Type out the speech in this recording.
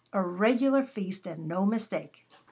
A regular feast, and no mistake!"